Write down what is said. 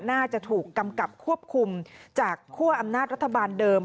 น่าจะถูกกำกับควบคุมจากคั่วอำนาจรัฐบาลเดิม